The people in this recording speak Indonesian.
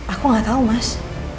aku gak tau mas